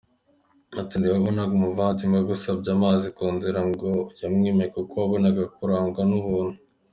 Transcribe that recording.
Ati “Ntiwabonaga umuvandimwe agusabye amazi ku nzira ngo uyamwime kuko wagombaga kurangwa n’ubuntu.